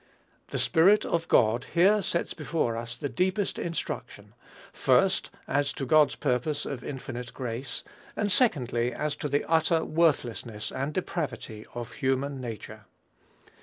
The Spirit of God here sets before us the deepest instruction, first, as to God's purpose of infinite grace; and, secondly, as to the utter worthlessness and depravity of human nature.